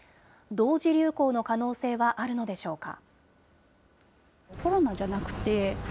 同時流行の可能性はあるのでしょうか。